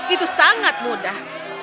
itu sangat mudah